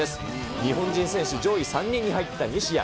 日本人選手上位３人に入った西矢。